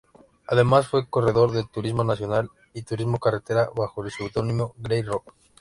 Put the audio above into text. Además, fue corredor de Turismo Nacional y Turismo Carretera, bajo el seudónimo Grey Rock.